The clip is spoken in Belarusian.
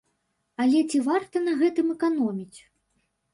Але ці варта на гэтым эканоміць?